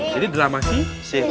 jadi drama sisir